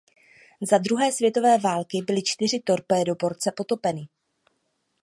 Za druhé světové války byly čtyři torpédoborce potopeny.